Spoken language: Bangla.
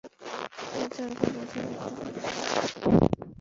এর দৈর্ঘ্য বুঝে উঠতে পারছি না।